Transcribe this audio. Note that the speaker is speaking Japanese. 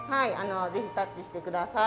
ぜひタッチしてください。